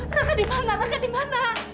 raka di mana raka di mana